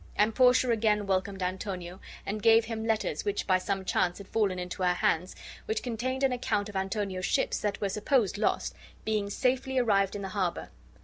And Portia again welcomed Antonio, and gave him letters which by some chance had fallen into her hands, which contained an account of Antonio's ships, that were supposed lost, being safely arrived in the harbor.